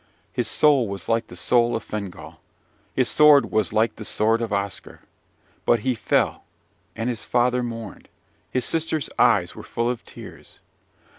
His soul was like the soul of Fingal: his sword like the sword of Oscar. But he fell, and his father mourned: his sister's eyes were full of tears.